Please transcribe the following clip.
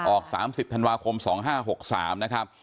ออก๓๐ธันวาคม๒๕๖๓นะครับ